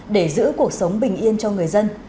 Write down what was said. để giữ cuộc sống bình yên cho người dân